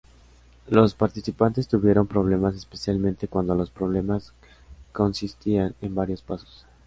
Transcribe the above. Los participantes tuvieron problemas especialmente cuando los problemas consistían en varios pasos.